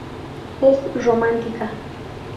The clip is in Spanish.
Es románica.